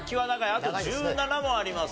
あと１７問ありますわ。